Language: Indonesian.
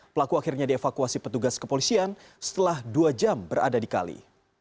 pelaku akhirnya dievakuasi petugas kepolisian setelah dua jam berada di kali